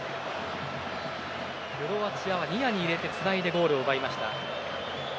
クロアチアはニアに入れてつないでゴールを奪いました。